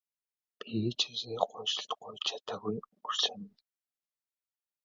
Би ээжээсээ уучлалт гуйж чадалгүй өнгөрсөн юм.